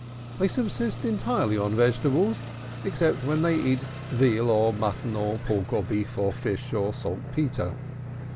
They subsist entirely on vegetables, excepting when they eat veal or mutton or pork or beef or fish or saltpetre.)